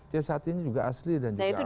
c satu ini juga asli dan juga autentik